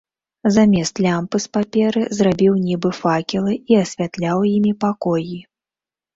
Замест лямпы з паперы зрабіў нібы факелы і асвятляў імі пакоі.